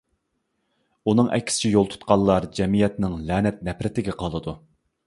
ئۇنىڭ ئەكسىچە يول تۇتقانلار جەمئىيەتنىڭ لەنەت-نەپرىتىگە قالىدۇ.